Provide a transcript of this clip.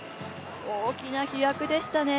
大きな飛躍でしたね。